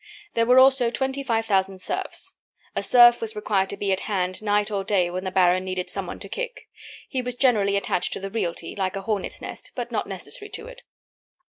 There were also twenty five thousand serfs. A serf was required to be at hand night or day when the baron needed some one to kick. He was generally attached to the realty, like a hornet's nest, but not necessary to it.